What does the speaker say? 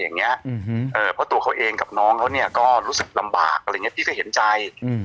เพราะตัวเขาเองกับน้องเขาก็รู้สึกลำบากพี่ก็เห็นใจ